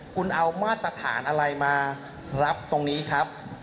คุณเอามาตรฐานอะไรมารับตรงนี้ครับ